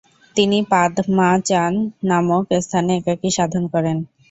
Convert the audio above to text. তিনি পাদ-মা-চান নামক স্থানে একাকী সাধন করেন।